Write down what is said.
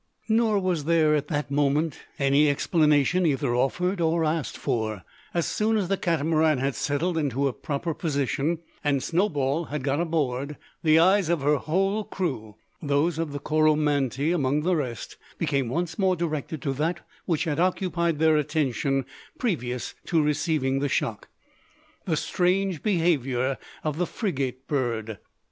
Nor was there at that moment any explanation either offered or asked; for, as soon as the Catamaran had settled into her proper position, and Snowball had got aboard, the eyes of her whole crew, those of the Coromantee among the rest, became once more directed to that which had occupied their attention previous to receiving the shock, the strange behaviour of the frigate bird.